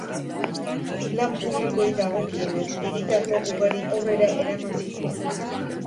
Lan publikoei dagokienez, egitasmo ugari aurrera eraman zituen.